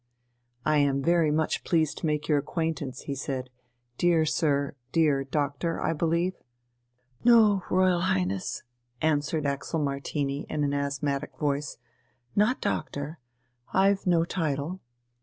"I am very much pleased to make your acquaintance," he said, "dear sir ... dear Doctor, I believe?" "No, Royal Highness," answered Axel Martini in an asthmatic voice, "not doctor, I've no title."